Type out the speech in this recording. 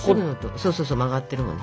そうそうそう曲がってるのね。